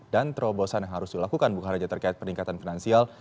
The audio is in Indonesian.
dan terobosan yang harus dilakukan bukan hanya terkait peningkatan finansial